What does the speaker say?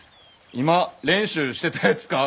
今練習してたやつか？